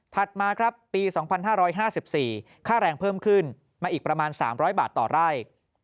มาครับปี๒๕๕๔ค่าแรงเพิ่มขึ้นมาอีกประมาณ๓๐๐บาทต่อไร่